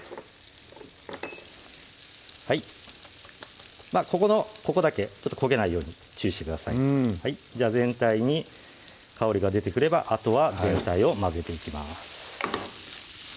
はいここだけ焦げないように注意してくださいじゃあ全体に香りが出てくればあとは全体を混ぜていきます